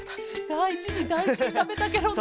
だいじにだいじにたべたケロね。